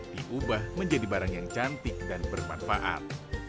diubah menjadi barang yang cantik dan bermanfaat